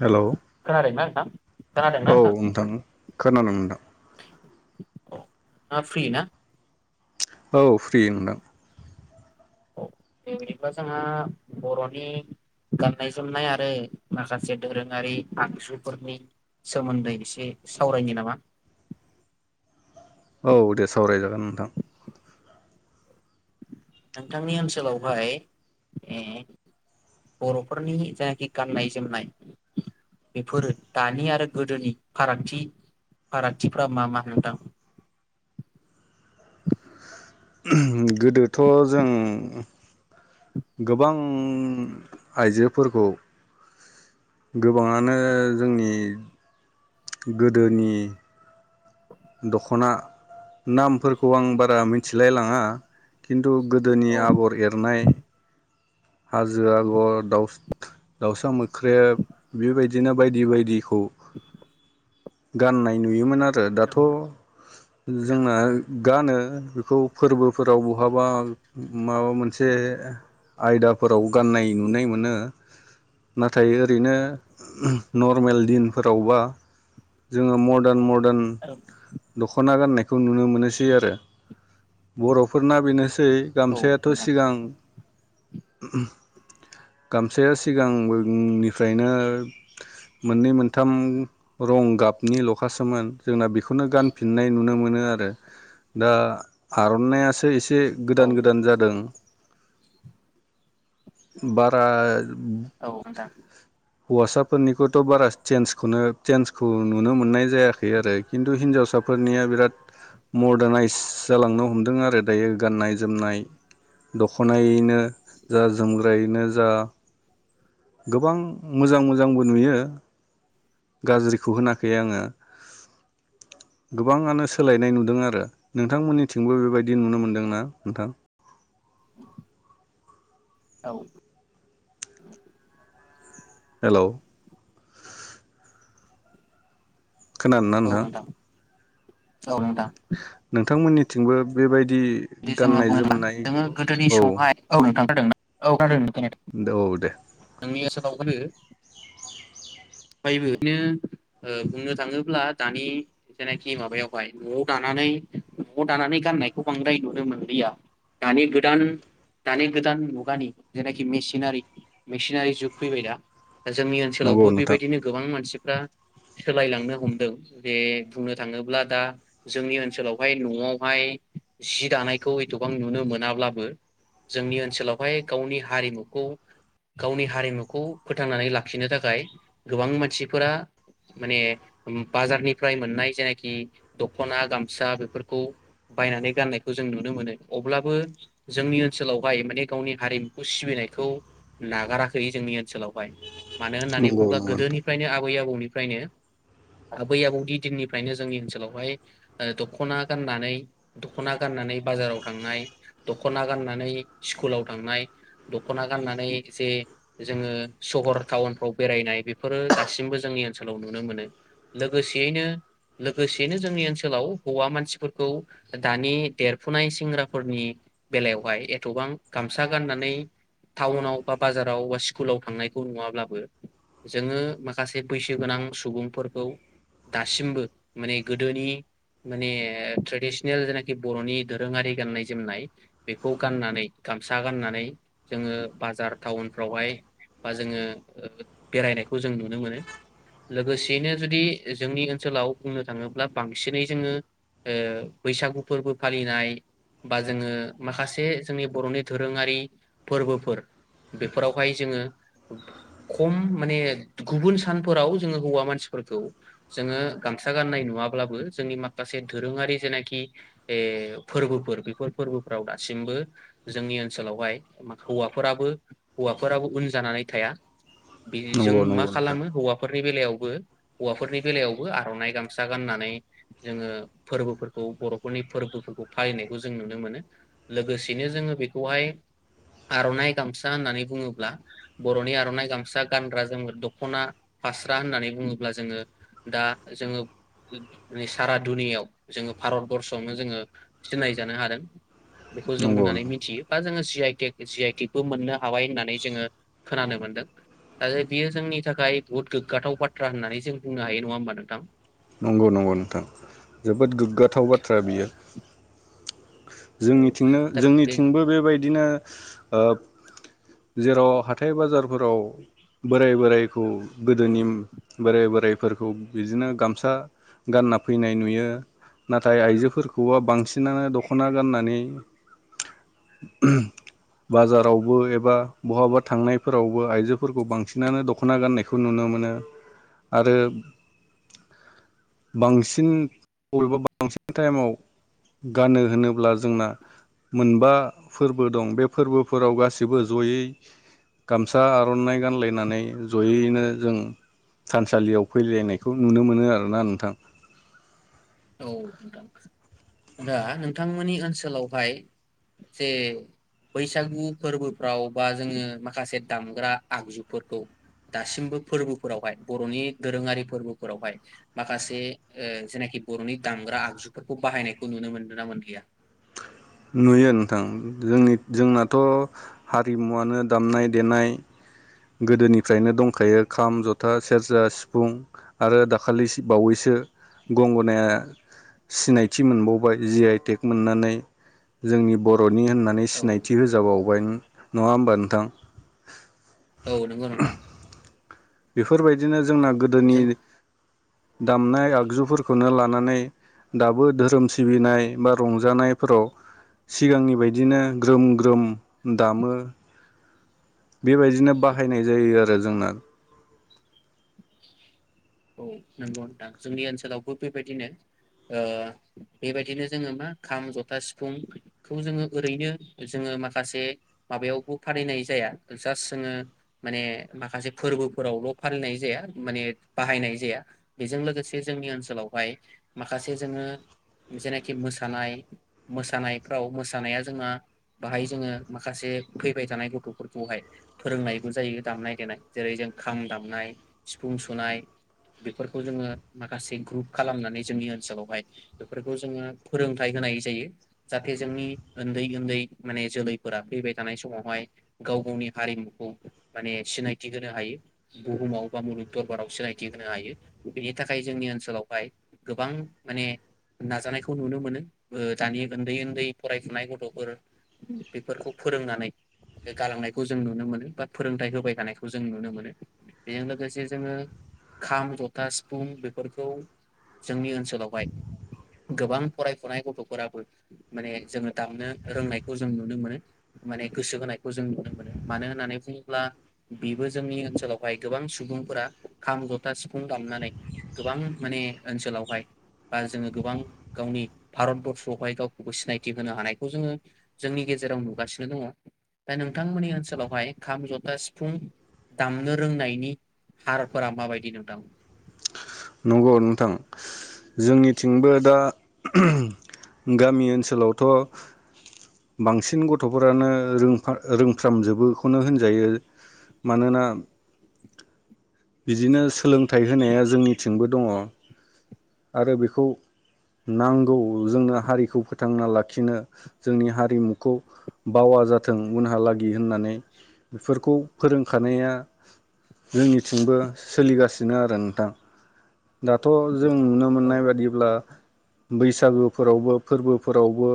Hello ना नोंथां औ नोंथां खोनानो मोनदों आं फ्रि ना औ फ्रि नोंथां दे बिदिब्ला जोंहा बरनि गाननाय जोमनाय आरो माखासे दोरोङारि आगजुफोरनि सोमोन्दै एसे सावरायनि नामा औ दे सावरायजागोन नोंथां नोंथांनि ओनसोलावहाय उम बरफोरनि जायखि गाननाय जोमनाय बेफोरो दानि आरो गोदोनि फारागथि फारागथिफोरा मा मा नोंथां गोदोथ' जों गोबां आइजोफोरखौ गोबाङानो जोंनि गोदोनि दख'ना नामफोरखौ आं बारा मोथिलायलाङा खिन तु गोदोनि औ आगर एरनाय हाजो आगर, दाउस दाउसा मोख्रेब बेबायदिनो बायदि बायदि। [inaudible] गाननाय नुयोमोन आरो। थ जोंना गानो बेखौ फोरबोफोराव बहाबा माबा मोनसे आयदा फोराव गाननाय नुनाय मोनो। नाथाय ओरैनो नर्मेल दिनफोरावबा जोङो मडार्न मर [unintelligible] दख'ना गाननायखौ नुनो मोनोसै आरो बर'फोरना बेनोस सै औ गामसायाथ' नोंथां सिगां गामसाया सिगां [unintelligible] निफ्रायनो मोननै मोनथाम रं गाबनि लखासोमोन जोंना बेखौ खोनो गानफिननाय नुनो मोनो आरो। दा आर'नाइयासो एसे से औ गोदान गोदान जादों। बारा औ नोंथां। हौवासाफोरनिखौथ' बारा चेन्जखौनो चेन्जखौ नुनो मोननाय जायाखै आरो खिन्थु हिनजावसाफोरनिया बिराद मर्डानायइस जालांनो हमदों आरो दायो गाननाय जोमनाय दख'नायैनो जा जोमग्रायैनो जा। गोबां मोजां मोजांबो नुयो गाज्रिखौ होनाखै आङो गोबाङानो सोलायनाय नुदों आरो नोंथांमोननिथिंबो बेबायदि नुनो मोनदोंना नोंथां? औ हेलौ खोनादोंना नोंथां? औ नोंथां। थिंबो बेबाय दि जोङो बुङोब्ला जोङो गोदोनि औ समावहाय औ नोंथां। [unintelligible] औ औ दे [unintelligible] [unintelligible] [unintelligible] फायबो नो ओ बुंनो थाङोब्ला दानि जेनाखि माबायावहाय न'आव दानानै नआव दानानै गाननायखौ बांद्राय नुनो मोनलिया दानि गोदान दानि गोदान मुगानि जेनाखि मिसिनारि मिसिनारि जुग फैबाय दा। जोंनि नंगौ ओनसोलावबो नोंथां बेबायदिनो गोबां मानसि फ्रा सोलायलांनो हमदों जे बुंनो थाङोब्ला दा जोंनि ओनसोलावहाय नआवहाय जि दानायखौ एदथबां नुनो मोनाब्लाबो जोंनि ओनसोलावहाय गावनि हारिमुखौ गावनि हारिमुखौ फोथांनानै लाखिनो थाखाय गोबां मानसिफोरा माने बाजारनिफ्राय मोननाय जायनाखि दखना गामसा बेफोरखौ बायनानै गाननायखौ जों नुनो मोनो अब्लाबो जोंनि ओनसोलावहाय माने गावनि हारिमुखौ सिबिनायखौ नागाराखै जोंनि ओनसोलावहाय। मानो होननानै नंगौ नंगौ नोंथां गोदोनिफ्रायनो आबै आबौनिफ्रायनो आबै आबौनि दिननिफ्रायनो जोंनि ओनसोलावहाय ओ दखना गाननानै दखना गाननानै बाजाराव थांनाय दखना गाननानै स्कुलाव थांनाय दखना गाननानै जे जोङो सहर टाउनफ्राव बेरायनाय बेफोरो दासिमबो जोंनि ओनसोलाव नुनो मोनो। लोगोसेयैनो लोगोसेयैनो जोंनि ओनसोलाव हौवा मानसिफोरखौ दानि देरफुनाय सेंग्राफोरनि बेलायावहाय एथबां गामसा गाननानै टाउनाव बा बाजाराव बा स्कुलाव थांनायखौ नुवाब्लाबो जोङो माखासे बैसो गोनां सुबुंफोरखौ दासिमबो माने गोदोनि माने ट्रेडिसनेल जेनाखि बरनि दोरोङारि गाननाय जोमनाय बेखौ गाननानै गामसा गाननानै जोङो बाजार टाउनफ्रावहाय बा जोङो ओ बेरायनायखौ जों नुनो मोनो लोगोसेयैनो जुदि जोंनि ओनसोलाव बुंनो थाङोब्ला बांसिनै जोङो ओ बैसागु फोरबो फालिनाय बा जोङो माखासे जोंनि बरनि दोरोङारि फोरबोफोर बेफोरावहाय जोङो खम माने गुबुन सानफोराव जोङो हौवा मानसिफोरखौ जोङो गामसा गाननाय नुवाब्लाबो जोंनि माखासे दोरोङारि जेनाखि ए फोरबोफोर बेफोर फोरबोफोराव दासिमबो जोंनि ओनसोलावहाय हौवाफोराबो हौवाफोराबो उन जानानै थाया। बेजों नंगौ मा नंगौ नोंथां खालामो हौवाफोर फोरनि बेलायावबो हौवाफोरनि बेलायावबो आरनाइ गामसा गाननानै जोङो फोरबोफोरखौ बरफोरनि फोरबोफोरखौ फालिनायखौ जों नुनो मोनो लोगोसेनो जोङो बेखौहाय आरनाइ गामसा होननानै बुङोब्ला बरनि आरनाइ गामसा गानग्रा जोमग्रा दखना फास्रा होननानै बुङोब्ला जोङो दा जोङो सारा दुनियाव जोंङो भारत बर्षआवनो जोङो सिनाय जानो हादों। बेखौ जों नंगौ होननानै नंगौ मिथियो बा जोङो स जि आइ टेक जि आइ टेकबो मोननो हाबाय होननानै जोङो खोनानो मोनदों। दा बियो जोंनि थाखाय बुहुत गोग्गाथाव बाथ्रा होननानै जों बुंनो हायो नङा होमबा नोंथां नंगौ नंगौ नोंथां जोबोद गोग्गाथाव बाथ्रा अ बियो औ जोंनिथिंनो दा बे जोंनिथिंबो बेबायदिनो ओ जेराव हाथाय बाजारफोराव बोराय बोरायखौ गोदोनि बोराय बोरायफोरखौ बिदिनो गामसा गानना फैनाय नुयो नाथाय आइजोफोरखौबो बांसिनानो दख दखना गाननानै बाजारावबो एबा बहाबा थांनायफोरावबो आइजोफोरखौ बांसिनानो दखना गाननायखौ नुनो मोनो आरो बांसिन एबा बांसिन टाइमाव गानो। होनोब्ला जोंना मोनबा फोरबो दं बे फोरबोफोराव गासिबो जयै गामसा आरनाइ गानलायनानै जयैनो जों थानसालियाव फैलायनायखौ नुनो मोनो आरोना नोंथां। औ दा नोंथांमोननि ओनसोलावहाय जे बैसागु फोरबोफ्राव बा जोङो माखासे दामग्रा आगजुफोरखौ दासिमबो फोरबोफोरावहाय बरनि दोरोङारि फोरबोफोरावहाय माखासे जेनाखि बरनि दामग्रा आगजुफोरखौ बाहायनायखौ नुनो मोन्दों ना मोनलिया। नुयो नोंथां जोंनि जोंनाथ हारिमुवनो दामनाय देनाय गोदोनिफ्रायनो दंखायो खाम, जथा, सेरजा, सिफुं आरो दाखालि बावैसो गंगनाया सिनायथि मोनबावबाय जि आइ टेक मोननानै जोंनि बर' बिनि होननानै औ सिनायथि होजाबावबाय नङा होमबा नोंथां। औ नोंग नथां। बेफोरबायदिनो जो जोंना गोदोनि जों दामनाय आगजुफोरखौनो लानानै दाबो धोरोम सिबिनाय बा रंजानायफोराव सिगांनि बायदिनो ग्रोम ग्रोम दामो। बेबायदिनो बाहायनाय जायो आरो आरो जोंना औ नंगौ नोंथां जोंनि ओनसोलावबो बेबायदिनो ओ बेबायदिनो जोङो मा खाम, जथा, सिफुंखौ जोङो ओरैनो जोङो माखासे माबायावबो फालिनाय जाया जास्ट जोङो माने माखासे फोरबोफोरावल फालिनाय जाया माने बाहायनाय जाया बेजों लोगोसे जोंनि ओनसोलावहाय माखासे जोङो जेनाखि मोसानाय मोसानायफ्राव मोसानाया जोंहा बाहाय जोङो माखासे फैबाय थानाय गथफोरखौहाय फोरोंनायबो जायो दामनाय देनाय जेरै जों खाम दामनाय, सिफुं सुनाय बेफोरखौ जोङो माखासे ग्रुप खालामनानै जोंनि ओनसोलावहाय बेफोरखौ जोङो फोरोंथाइ होनाय जायो जाहाथे जोंनि उन्दै उन्दै माने जोलैफोरा फैबाय थानाय समावहाय गाव गावनि हारिमुखौ माने सिनायथि होनो हायो बुहुमाव बा मुलुग दरबाराव सिनाय थि होनो हायो बेनि थाखाय जोंनि ओनसोलावहाय गोबां माने नाजानायखौ नुनो मोनो ओ दानि उन्दै उन्दै फरायफुनाय गथफोर बेफोरखौ फोरोंनानै गालांनायखौ जों नुनो मोनो बा फोरोंथाइ होबाय थानायखौ जों नुनो मोनो बेजों लोगोसे जोङो खाम, जथा, सिफुं बेफोरखौ जोंनि ओनसोलावहाय गोबां फरायफुनाय गथफोराबो माने जोङो दामनो रोंनायखौ जों नुनो मोनो माने गोसो होनायखौ जों नुनो मोनो मानो होननानै बुङोब्ला बेबो जोंनि ओनसोलावहाय गोबां सुबुंफोरा खाम, ज जथा, सिफुं दामनानै गोबां माने ओनसोलावहाय बा जोङो गोबां गावनि भारत बरर्सआवहाय गावखौबो सिनायथि होनो हानायखौ जोङो जोंनि गेजेराव नुगासिनो दङ। दा नोंथांमोननि ओनसोलावहाय खाम, जथा, सिफुं दामनो रोंनायनि हारफोरा माबायदि दि नोंथां। नंगौ नोंथां जोंनिथिंबो दा गामि ओनसोलावथक्षबांसिन गथफोरानो रोंफ्रा रोंफ्रामजोबोखौनो होनजायो मानोना बिदिनो सोलोंथाइ होनाया जोंनिथिंबो दङ आरो बेखौ नांगौ जोंनो हारिखौ फोथांना लाखिनो जोंनि हारिमुखौ बावा जाथों उनहालागि होननानै बेफोरखौ फोरोंखानाया जोंनि थिंबो सोलिगासिनो आरो नोंथां। दाथ' जों नुनो औ मोननाय बादिब्ला बैसागोफोरावबो फोरबोफोरावबो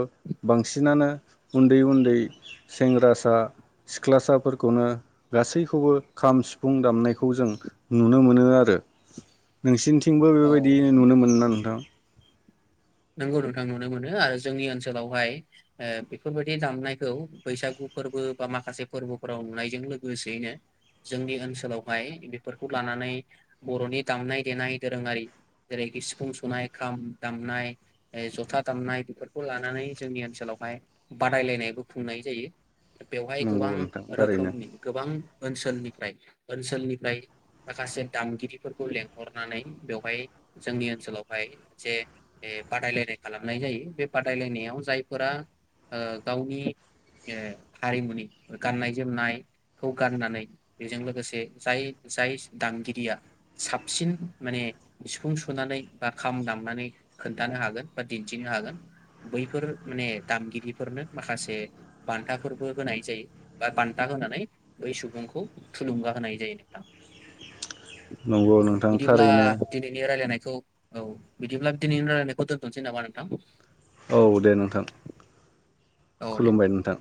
बांसिनानो उन्दै उन्दै सेंग्रासा सिख्लासाफोरखौनो गासैखौबो खाम, सिफुं दामनाय खौ जों नुनो मोनो। आरो नोंसिनिथिंबो औ बेबायदि नुनो मोनोना नोंथां? नोंगौ नोंथां नुनो मोनो आरो जोंनि ओनसोलावहाय ओ बेफोरबायदि दामनायखौ बैसागु फोरबो बा माखासे फोरबोफोराव नुनायजों लोगोसेयैनो जोंनि ओनसोलावहाय बेफोरखौ लानानै बर'नि दामनाय देनाय दोरोङारि जेरैखि सिफुं सुनाय, खाम दामनाय जथा दामनाय बेफोरखौ लानानै जोंनि ओनसोलावहाय बादायलायनायबो खुंनाय जायो। बेवहाय नंगौ गोबां नोंथां थारैनो रोखोमनि गोबां ओनसोलनिफ्राय ओनसोलनिफ्राय माखासे दामगिरिफोरखौ लेंंहरनानै बेवहाय जोंनि ओनसोलावहाय मोनसे बादायलायनाय खालामनाय जायो। बे बादायलायनायाव जायफोरा ओ गावनि ओ हारिमुनि गाननाय जोमनायखौ गाननानै बेजों लोगोसे जाय जाय दामगिरिया साबसिन माने सिफुं सुनानै बा खाम दामनानै खोन्थानो हागोन बा दिन्थिनो हागोन बैफोर माने दामगिरिफोरनो माखासे बान्थाफोरबो होनाय जायो बा बान्था होनानै बै सुबुंखौ थुलुंगा होनाय जायो नोंथां। नंगौ औ नोंथां बिदिब्ला थारैनो दिनैनि रायलायनायखौ औ बिदिब्ला दिनैनि रायज्लायनायखौ दोनथ'नोसै नामा नोंथां? औ दे नोंथां औ दे खुलुमबाय नोंथां।